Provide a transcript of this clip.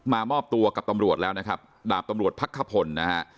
มอบตัวกับตำรวจแล้วนะครับดาบตำรวจพักขพลนะฮะ